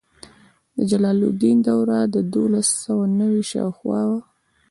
د جلال الدین دوره د دولس سوه نوي شاوخوا وه.